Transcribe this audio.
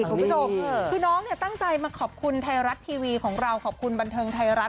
คุณผู้ชมคือน้องเนี่ยตั้งใจมาขอบคุณไทยรัฐทีวีของเราขอบคุณบันเทิงไทยรัฐ